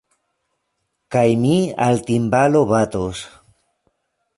Kaj mi al timbalo batos.